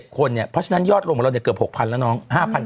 ๖๗คนเนี่ยเพราะฉะนั้นยอดลงกว่าเราเนี่ยเกือบ๖๐๐๐แล้วน้อง๕๘๐๐